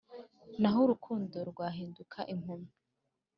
naho urukundo rwahinduka impumyi